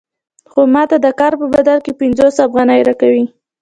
خو ماته د کار په بدل کې پنځوس افغانۍ راکوي